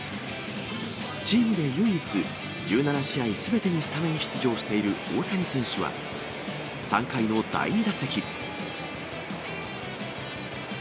チームで唯一、１７試合すべてにスタメン出場している大谷選手は、３回の第２打席。